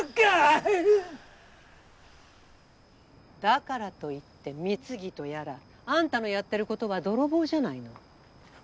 だからといって三木とやらあんたのやってることは泥棒じゃないの。